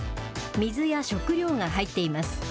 水や食料が入っています。